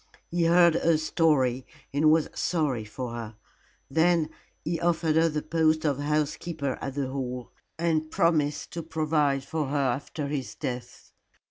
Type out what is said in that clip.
He heard her story and was sorry for her. Then he offered her the post of housekeeper at the Hall, and promised to provide for her after his death.